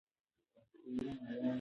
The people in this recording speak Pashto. ایا د پسونو زنګونه به بیا وشرنګیږي؟